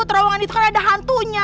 terowongan itu kan ada hantunya